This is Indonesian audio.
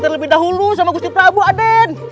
terlebih dahulu sama gusti prabu aden